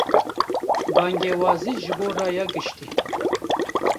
Bangewazî ji bo raya giştî